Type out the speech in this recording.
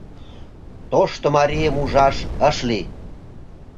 Тошто марийым ужаш ыш лий.